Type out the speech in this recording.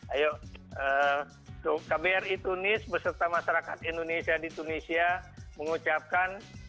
ayo kbri tunis beserta masyarakat indonesia di tunisia mengucapkan